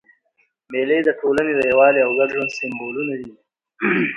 مېلې د ټولني د یووالي او ګډ ژوند سېمبولونه دي.